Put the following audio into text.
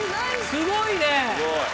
すごいね。